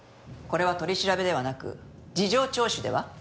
これは取り調べではなく事情聴取では？